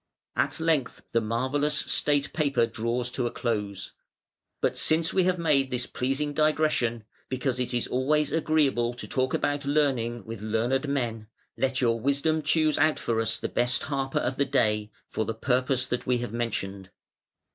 At length the marvellous state paper draws to a close, "But since we have made this pleasing digression (because it is always agreeable to talk about learning with learned men) let your Wisdom choose out for us the best harper of the day, for the purpose that we have mentioned.